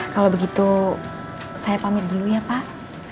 kalau begitu saya pamit dulu ya pak